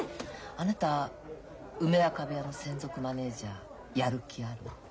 あなた梅若部屋の専属マネージャーやる気ある？